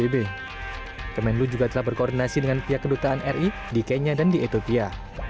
kementerian luar negeri juga telah berkoordinasi dengan pihak kedutaan ri di kenya dan di ethiopia